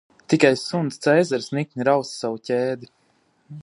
Tikai suns Cēzars nikni rausta savu ķēdi.